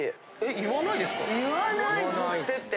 言わないですね。